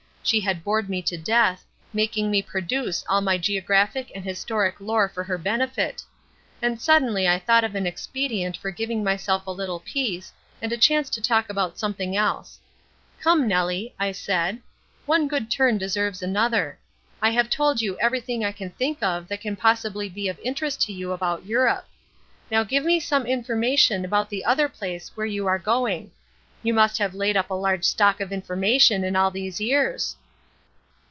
She had bored me to death, making me produce all my geographic and historic lore for her benefit; and suddenly I thought of an expedient for giving myself a little peace and a chance to talk about something else. 'Come, Nellie,' I said, 'one good turn deserves another. I have told you everything I can think of that can possibly be of interest to you about Europe; now give me some information about the other place where you are going. You must have laid up a large stock of information in all these years.'"